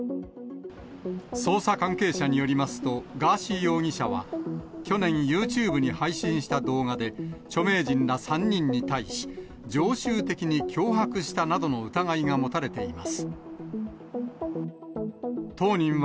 捜査関係者によりますと、ガーシー容疑者は去年、ユーチューブに配信した動画で、著名人ら３人に対し、常習的に脅迫したなどの疑いが持たれています。